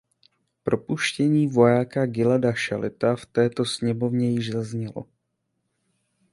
Propuštění vojáka Gilada Šalita v této sněmovně již zaznělo.